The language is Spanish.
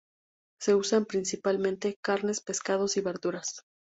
Se usan principalmente carnes, pescados y verduras.